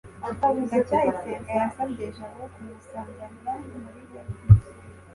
ndacyayisenga yasabye jabo kumusanganira muri lobby